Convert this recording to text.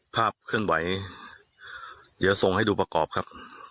ภาพเคลื่อนไหวเดี๋ยวส่งให้ดูประกอบครับ